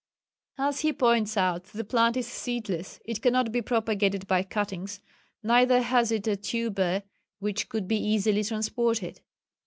As he points out, the plant is seedless, it cannot be propagated by cuttings, neither has it a tuber which could be easily transported.